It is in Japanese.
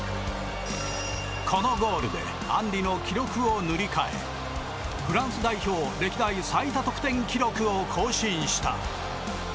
このゴールでアンリの記録を塗り替えフランス代表歴代最多得点記録を更新した。